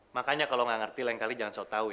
makanya kalau tidak mengerti lain kali jangan tahu